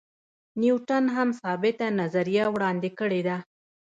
نیوټن هم ثابته نظریه وړاندې کړې ده.